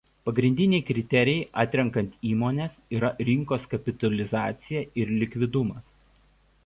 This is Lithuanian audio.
Pagrindiniai kriterijai atrenkant įmones yra rinkos kapitalizacija ir likvidumas.